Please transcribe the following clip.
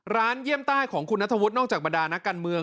เยี่ยมใต้ของคุณนัทวุฒินอกจากบรรดานักการเมือง